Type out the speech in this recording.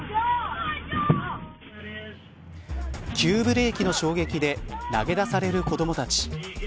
急ブレーキの衝撃で投げ出される子どもたち。